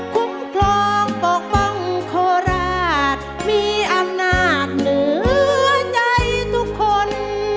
คุ้มครองปกป้องโคราชมีอำนาจเหนือใจทุกคน